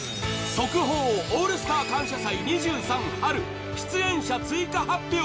速報「オールスター感謝祭’２３春」出演者追加発表